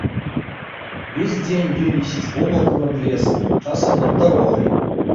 Увесь дзень дым вісіць воблакам над лесам, часам над дарогай.